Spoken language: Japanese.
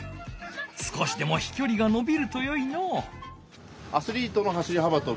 少しでもひきょりがのびるとよいのう。